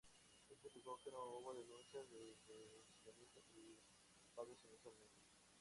Esto implicó que no hubo denuncias de inversionistas privados inicialmente.